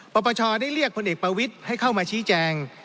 ปปชได้เรียกพลเอกประวิทย์ให้เข้ามาชี้แจง